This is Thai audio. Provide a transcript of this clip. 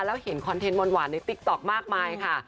แล้วเห็นคอนเทนต์หวานในติ๊กต๊อกมากมายค่ะ